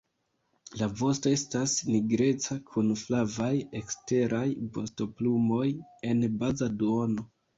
La vosto estas nigreca kun flavaj eksteraj vostoplumoj en baza duono.